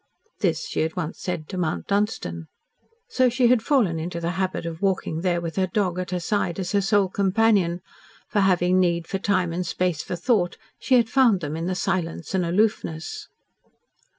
This she had once said to Mount Dunstan. So she had fallen into the habit of walking there with her dog at her side as her sole companion, for having need for time and space for thought, she had found them in the silence and aloofness.